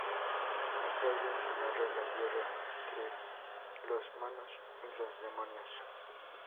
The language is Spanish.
Más tarde se narra la guerra entre los monos y los demonios.